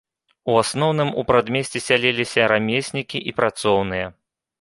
У асноўным у прадмесці сяліліся рамеснікі і працоўныя.